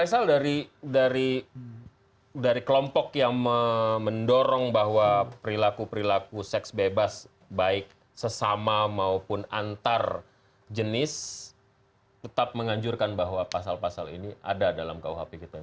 asal dari kelompok yang mendorong bahwa perilaku perilaku seks bebas baik sesama maupun antar jenis tetap menganjurkan bahwa pasal pasal ini ada dalam kuhp kita